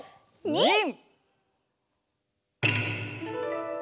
ニン！